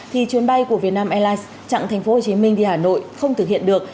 thì chuyến bay của việt nam airlines chặng tp hcm đi hà nội không thực hiện được